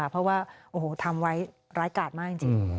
เพราะว่าทำไว้ร้ายกาลมากจริง